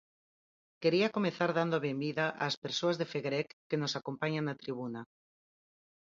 Quería comezar dando a benvida ás persoas de Fegerec que nos acompañan na tribuna.